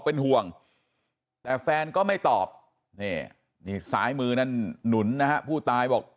เป็นห่วงแต่แฟนก็ไม่ตอบนี่นี่ซ้ายมือนั่นหนุนนะฮะผู้ตายบอก